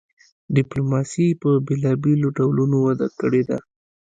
ډیپلوماسي په بیلابیلو ډولونو وده کړې ده